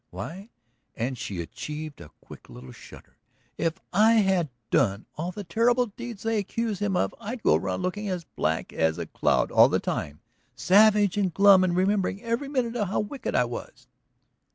Why," and she achieved a quick little shudder, "if I had done all the terrible deeds they accuse him of I'd go around looking as black as a cloud all the time, savage and glum and remembering every minute how wicked I was."